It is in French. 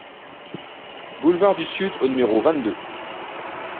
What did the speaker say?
Boulevard du Sud au numéro vingt-deux